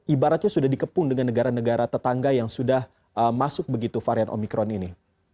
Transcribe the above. ibaratnya sudah dikepung dengan negara negara tetangga yang sudah masuk begitu varian omikron ini